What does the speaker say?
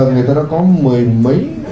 người ta đã có một mươi mấy